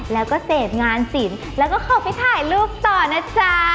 แล้วก็เสพงานศิลป์แล้วก็ขอไปถ่ายรูปต่อนะจ๊ะ